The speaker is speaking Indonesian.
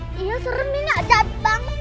dia serem ini ada banget